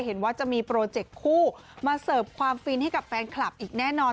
เห็นว่าจะมีโปรเจกต์คู่มาเสิร์ฟความฟินให้กับแฟนคลับอีกแน่นอน